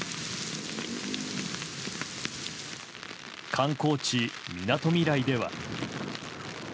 観光地・みなとみらいでは。